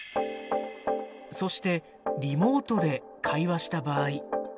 そしてリモートで会話した場合。